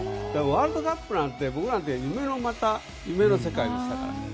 ワールドカップなんて僕らの時夢のまた夢の世界でしたから。